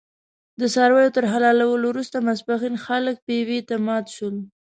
د څارویو تر حلالې وروسته ماسپښین خلک پېوې ته مات شول.